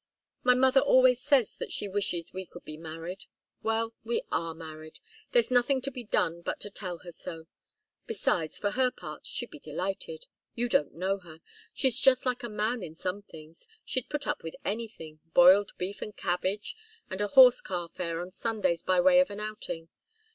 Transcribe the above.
My mother always says that she wishes we could be married. Well we are married. There's nothing to be done but to tell her so. Besides, for her part, she'd be delighted. You don't know her! She's just like a man in some things. She'd put up with anything boiled beef and cabbage, and a horse car fare on Sundays by way of an outing.